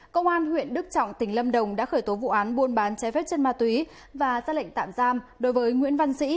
công an huyện đức trọng tỉnh lâm đồng đã khởi tố vụ án buôn bán trái phép chân ma túy và ra lệnh tạm giam đối với nguyễn văn sĩ